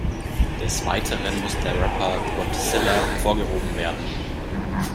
Des Weiteren muss der Rapper Godsilla hervorgehoben werden.